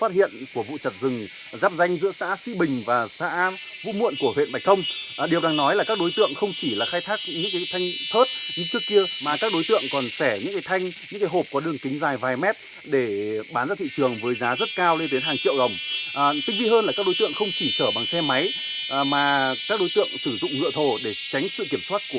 tích vi hơn là các đối tượng không chỉ chở bằng xe máy mà các đối tượng sử dụng lựa thổ để tránh sự kiểm soát của các quan chức năng